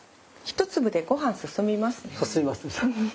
進みます。